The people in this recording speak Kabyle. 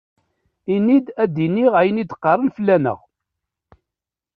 Ini-d ad iniɣ ayen i d-qqaṛen fell-aneɣ!